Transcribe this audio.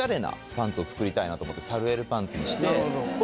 作りたいなと思ってサルエルパンツにして。